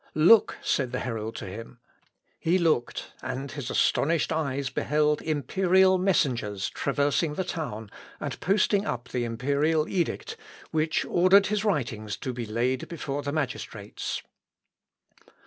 "Look," said the herald to him. He looked, and his astonished eyes beheld imperial messengers traversing the town, and posting up the imperial edict, which ordered his writings to be laid before the magistrates.